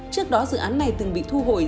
trước đó dự án này từng bị thu hồi